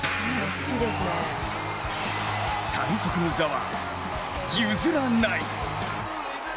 最速の座は譲らない。